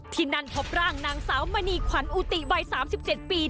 ที่นั่นพบร่างนางสาวมณีขวัญอุติวัย๓๗ปี